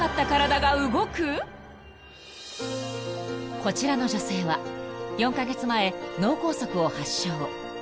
［こちらの女性は４カ月前脳梗塞を発症］